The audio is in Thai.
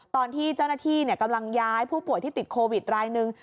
ตอนที่เจ้าหน้าที่กำลังย้ายผู้ป่วยที่ติดโควิดรายหนึ่ง